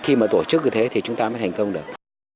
khi mà tổ chức như thế thì chúng ta mới thành công được